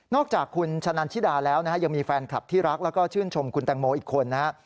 นอกจากคุณชะนันชิดาแล้วยังมีแฟนคลับที่รักและชื่นชมคุณตางโมอีกคนนะครับ